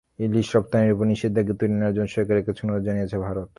ইলিশ রপ্তানির ওপর নিষেধাজ্ঞা তুলে নেওয়ার জন্য সরকারের কাছে অনুরোধ জানিয়েছে ভারত।